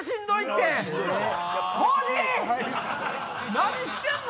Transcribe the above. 何してんの⁉